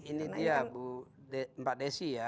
ini dia mbak desi ya